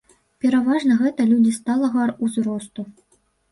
Пераважна гэта людзі сталага ўзросту.